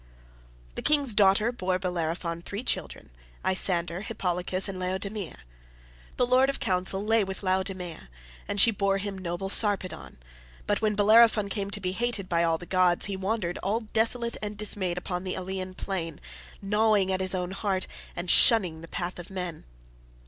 "The king's daughter bore Bellerophon three children, Isander, Hippolochus, and Laodameia. Jove, the lord of counsel, lay with Laodameia, and she bore him noble Sarpedon; but when Bellerophon came to be hated by all the gods, he wandered all desolate and dismayed upon the Alean plain, gnawing at his own heart, and shunning the path of man.